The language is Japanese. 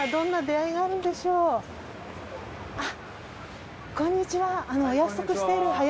はいこんにちは。